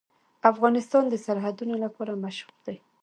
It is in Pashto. افغانستان د سرحدونه لپاره مشهور دی.